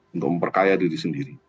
untuk memperkaya diri sendiri